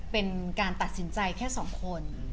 เป็นการตัดสินใจแค่สองคน